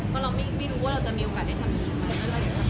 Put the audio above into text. เพราะเราไม่รู้ว่าเราจะมีโอกาสได้ทำทีมมาเรื่อย